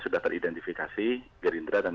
sudah teridentifikasi gerindra dan